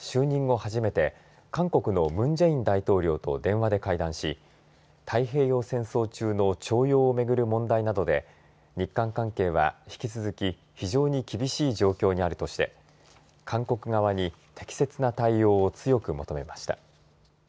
初めて韓国のムン・ジェイン大統領と電話で会談し太平洋戦争中の徴用をめぐる問題などで日韓関係は引き続き、非常に厳しい状況にあるとして韓国側に適切な対応を強く求めました。